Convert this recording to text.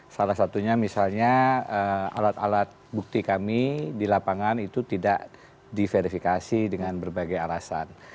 salah satunya misalnya alat alat bukti kami di lapangan itu tidak diverifikasi dengan berbagai alasan